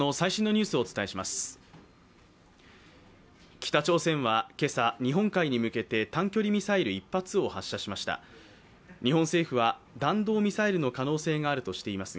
北朝鮮は今朝、日本海に向けて短距離弾道ミサイル１発を発射しました。